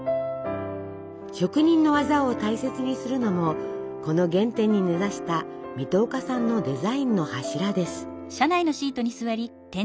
職人の技を大切にするのもこの原点に根ざした水戸岡さんのデザインの柱です。